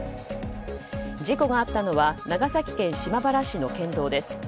事故があったのは長崎県島原市の県道です。